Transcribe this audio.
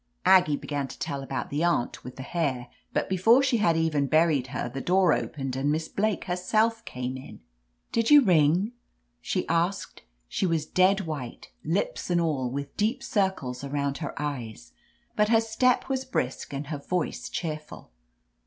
Aggie began to tell about the aunt with the 25 *(^f^ THE AMAZING ADVENTURES hair, but before she had even buried her, the door opened and Miss Blake herself came in. "Did you ring?" she asked. She was dead white, lips and all, with deep circles around her eyes, but her step was brisk and her voice cheerful.